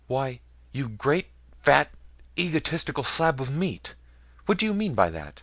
"Why, you great, fat, egotistical slab of meat! What do you mean by that?